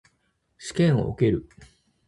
試験を受ける。